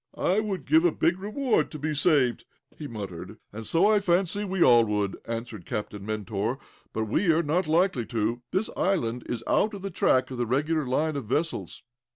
"I would give a big reward to be saved," he murmured. "And so, I fancy, we all would," added Captain Mentor. "But we are not likely to. This island is out of the track of the regular line of vessels."